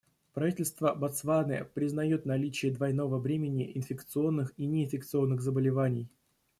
Правительство Ботсваны признает наличие двойного бремени инфекционных и неинфекционных заболеваний.